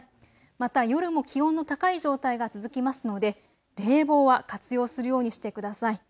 また夜も気温の高い状態が続きますので冷房は活用するようにしてください。